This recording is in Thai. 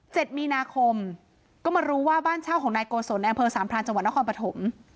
มีนาคมก็มารู้ว่าบ้านเช่าของนายโกศลในอำเภอสามพรานจังหวัดนครปฐม